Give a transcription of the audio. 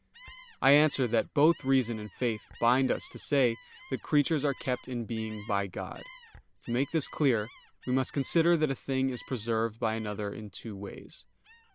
I answer that, Both reason and faith bind us to say that creatures are kept in being by God. To make this clear, we must consider that a thing is preserved by another in two ways.